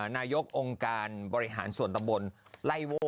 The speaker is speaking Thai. นายกงการบริหารสวนตำบลไลโว้